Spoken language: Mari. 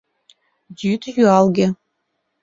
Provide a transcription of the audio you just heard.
Йӱд юалге.